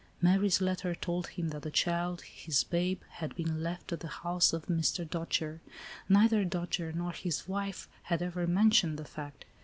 Mary's letter told him that the child, his babe, had been left at the house of Mr. Dojere. Neither Dojere nor his wife had ever mentioned the fact.